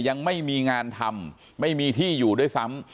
ยังไม่มีงานทำไม่มีที่อยู่ด้วยซ้ำ